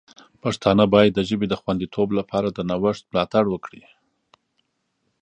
پښتانه باید د ژبې د خوندیتوب لپاره د نوښت ملاتړ وکړي.